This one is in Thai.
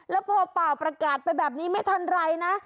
แล้วพอเปล่าประกาศไปแบบนี้ไม่ทันไรนะ